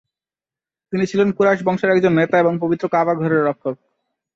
তিনি ছিলেন কুরাইশ বংশের একজন নেতা এবং পবিত্র কাবা ঘরের রক্ষক।